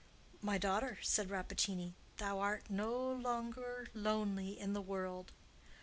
"My daughter," said Rappaccini, "thou art no longer lonely in the world.